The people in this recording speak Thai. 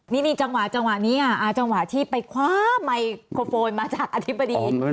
นี่จังหวะจังหวะนี้ค่ะจังหวะที่ไปคว้าไมโครโฟนมาจากอธิบดี